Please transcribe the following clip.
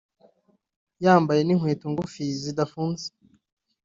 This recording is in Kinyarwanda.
yambaye n’inkweto ngufi zidafunze